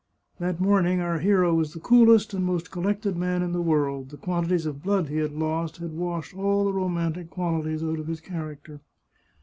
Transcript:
That morning our hero was the coolest and most collected man in the world; the quantities of blood he had lost had washed all the romantic qualities out of his character.